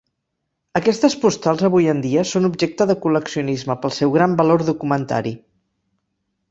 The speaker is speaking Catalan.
Aquestes postals avui en dia són objecte de col·leccionisme, pel seu gran valor documentari.